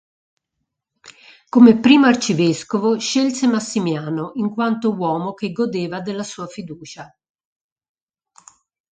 Come primo arcivescovo scelse Massimiano in quanto uomo che godeva della sua fiducia.